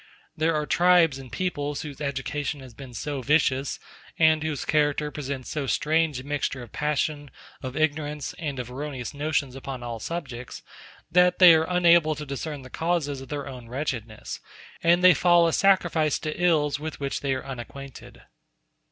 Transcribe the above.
There are tribes and peoples whose education has been so vicious, and whose character presents so strange a mixture of passion, of ignorance, and of erroneous notions upon all subjects, that they are unable to discern the causes of their own wretchedness, and they fall a sacrifice to ills with which they are unacquainted.